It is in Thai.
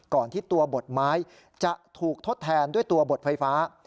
ที่ตัวบทไม้จะถูกทดแทนด้วยตัวบทไฟฟ้า